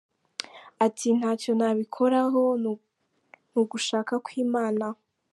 Ati: “Ntacyo nabikoraho, ni ugushaka kw’Imana.